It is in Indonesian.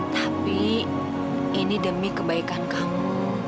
tapi ini demi kebaikan kamu